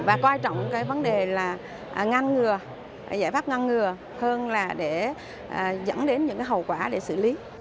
và coi trọng cái vấn đề là ngăn ngừa giải pháp ngăn ngừa hơn là để dẫn đến những hậu quả để xử lý